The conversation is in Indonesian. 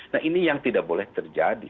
nah ini yang tidak boleh terjadi